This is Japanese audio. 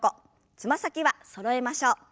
つま先はそろえましょう。